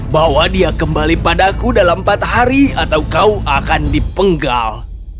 bahwa dia kembali padaku dalam empat hari atau kau akan dipenggal